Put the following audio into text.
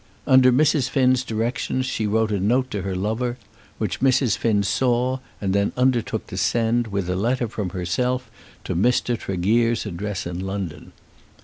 Under Mrs. Finn's directions she wrote a note to her lover, which Mrs. Finn saw, and then undertook to send it, with a letter from herself, to Mr. Tregear's address in London.